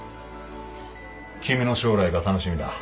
君の将来が楽しみだ